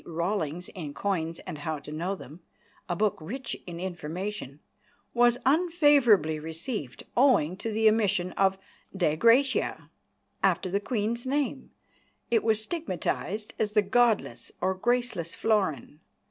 Rawlings in Coins and How to Know Them, a book rich in information, "was unfavourably received, owing to the omission of 'Dei Gratia' after the Queen's name, and was stigmatised as the godless or graceless florin."